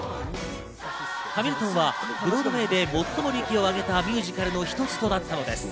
『ハミルトン』はブロードウェーで最も利益をあげたミュージカルの一つとなったのです。